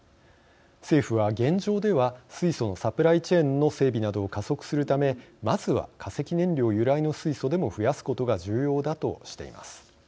政府は現状では水素のサプライチェーンの整備などを加速するためまずは化石燃料由来の水素でも増やすことが重要だとしています。